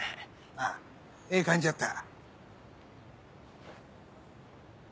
ああええ感じやった。